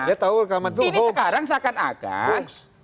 ini sekarang seakan akan